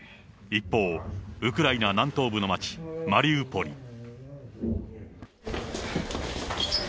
一方、ウクライナ南東部の町、マリウポリ。